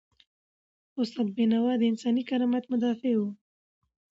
استاد بینوا د انساني کرامت مدافع و.